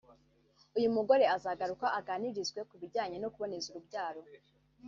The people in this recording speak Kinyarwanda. uyu mugore azagaruka aganirizwe ku bijyanye no kuboneza urubyaro